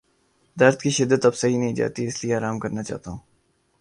درد کی شدت اب سہی نہیں جاتی اس لیے آرام کرنا چاہتا ہوں۔